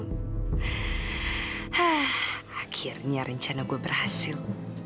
hah akhirnya rencana gue berhasil